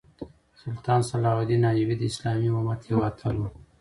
سلطان صلاح الدین ایوبي د اسلامي امت یو اتل وو.